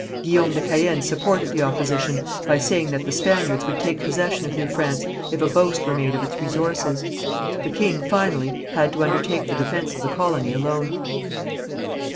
Guillaume de Caën supported the opposition by saying that the Spaniards would take possession of New France, if a boast were made of its resources. The king, finally, had to undertake the defence of the colony alone.